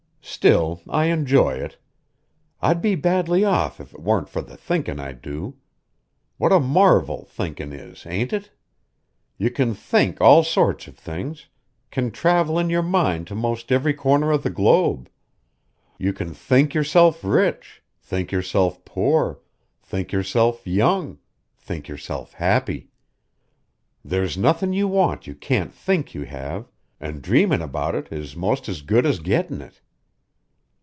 "Still, I enjoy it. I'd be badly off if it warn't for the thinkin' I do. What a marvel thinkin' is, ain't it? You can think all sorts of things; can travel in your mind to 'most every corner of the globe. You can think yourself rich, think yourself poor, think yourself young, think yourself happy. There's nothin' you want you can't think you have, an' dreamin' about it is 'most as good as gettin' it."